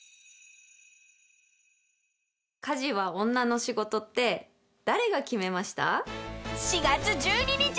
「家事は女の仕事って誰が決めました？」